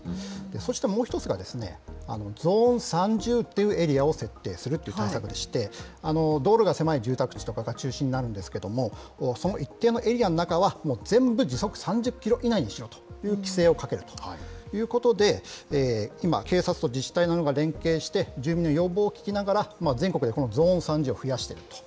そしてもう一つが、ゾーン３０というエリアを設定するという対策でして、道路が狭い住宅地とかが中心になるんですけれども、その一定のエリアの中は、全部時速３０キロ以内にしろという規制をかけるということで、今、警察と自治体などが連携して、住民の要望を聞きながら、全国でこのゾーン３０を増やしていると。